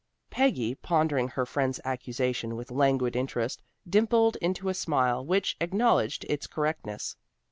Peggy, pondering her friend's accusation with languid interest, dimpled into a smile which acknowledged its correctness.